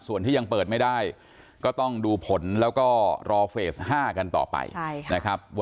ส่วนที่ยังเปิดไม่ได้ก็ต้องดูผลแล้วก็รอเฟส๕กันต่อไปนะครับ